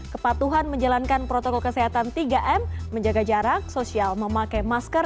kepatuhan menjalankan protokol kesehatan tiga m menjaga jarak sosial memakai masker